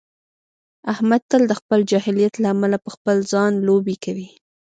احمد تل د خپل جاهلیت له امله په خپل ځان لوبې کوي.